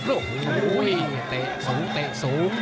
โอ้โหเตะสูงเตะสูง